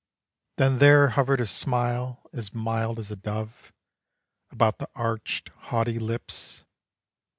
Then there hovered a smile as mild as a dove, About the arched, haughty lips.